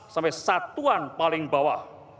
sampai satuan paling bawah